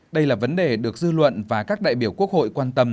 đây là vấn đề được dư luận và các đại biểu quốc hội quan tâm